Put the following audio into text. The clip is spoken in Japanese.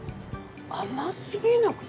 甘すぎなくて。